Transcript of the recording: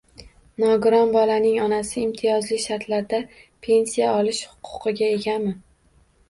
Nogiron bolaning onasi imtiyozli shartlarda pensiya olish huquqiga egami?